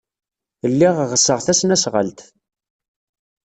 Lliɣ ɣseɣ tasnasɣalt.